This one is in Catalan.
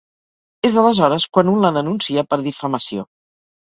És aleshores quan un la denuncia per difamació.